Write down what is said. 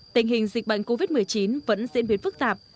tình hình dịch bệnh covid một mươi chín vẫn diễn biến phức tạp